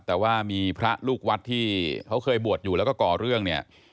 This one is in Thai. แต่ว่ามีพระลูกวัดที่เขาเคยบวชอยู่แล้วก็ก่อเรื่องเนี่ย